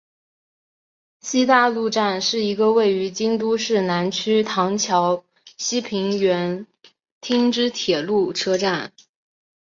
西大路站是一个位于京都市南区唐桥西平垣町之铁路车站。